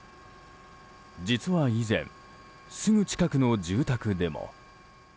実は以前すぐ近くの住宅でも。